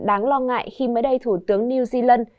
đáng lo ngại khi mới đây thủ tướng new zealand